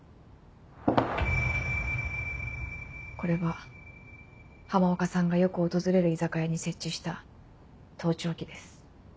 これは浜岡さんがよく訪れる居酒屋に設置した盗聴器です。